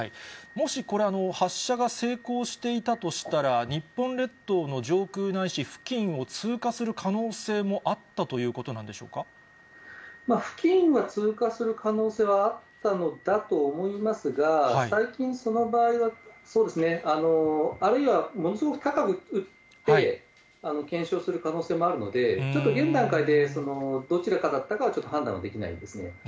もしこれ、発射が成功していたとしたら、日本列島の上空ないし付近を通過する可能性もあったということな付近は通過する可能性はあったのだと思いますが、最近、その場合は、あるいは、ものすごく高くうって、検証する可能性もあるので、ちょっと現段階で、どちらかだったかは判断できないですね。